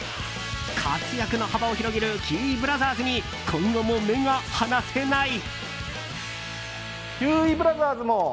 活躍の幅を広げるキウイブラザーズに今後も目が離せない。